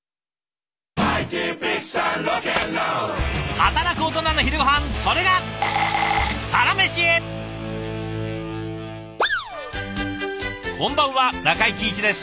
働くオトナの昼ごはんそれがこんばんは中井貴一です。